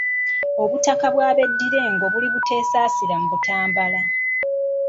Obutaka bw'abeddira engo buli Buteesaasira mu Butambula.